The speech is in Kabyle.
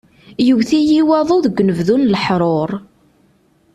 Yewwet-iyi waḍu deg unebdu n leḥrur!